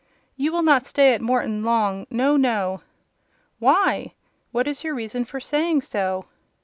"You will not stay at Morton long: no, no!" "Why? What is your reason for saying so?"